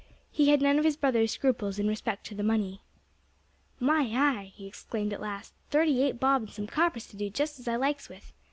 He had none of his brother's scruples in respect to the money. "My eye!" he exclaimed at last, "thirty eight bob and some coppers to do just as I likes with.